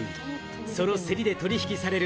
その競りで取引される